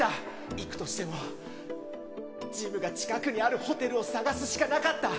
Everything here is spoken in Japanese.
行くとしてもジムが近くにあるホテルを探すしかなかった。